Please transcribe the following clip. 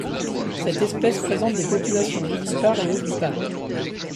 Cette espèce présente des populations vivipares et ovipares.